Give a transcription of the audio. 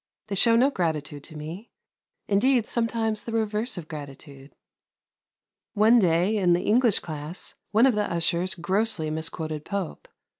They show no gratitude to me indeed, sometimes the reverse of gratitude. One day, in the English class, one of the ushers grossly misquoted Pope.